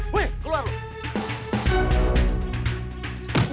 woy keluar lo